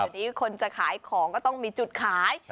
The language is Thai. เดี๋ยวนี้คนจะขายของก็ต้องมีจุดขาย